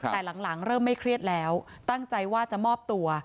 แต่หลังเริ่มไม่เครียดแล้วตั้งใจว่าจะมอบตัว